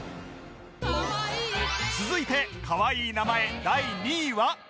続いてかわいい名前第２位は